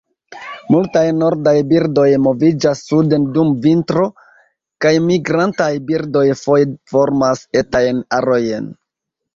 Multaj nordaj birdoj moviĝas suden dum vintro, kaj migrantaj birdoj foje formas etajn arojn.